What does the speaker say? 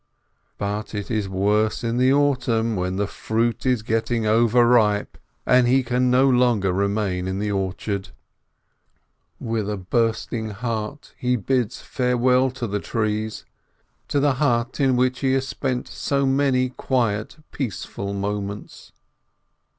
But it is worse in the autumn, when the fruit is getting over ripe, and he can no longer remain in the orchard. With a bursting heart he bids farewell to 432 RAISIN the trees, to the hut in which he has spent so many quiet, peaceful moments.